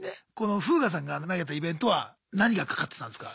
フーガさんが投げたイベントは何が懸かってたんすか？